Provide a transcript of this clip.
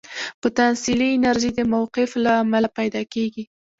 پوتانسیلي انرژي د موقف له امله پیدا کېږي.